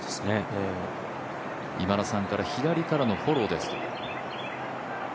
今田さんから、左からのフォローです。